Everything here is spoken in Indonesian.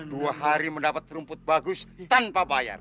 dua hari mendapat rumput bagus tanpa bayar